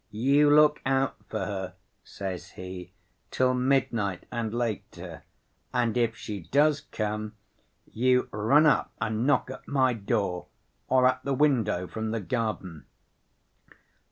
You look out for her,' says he, 'till midnight and later; and if she does come, you run up and knock at my door or at the window from the garden.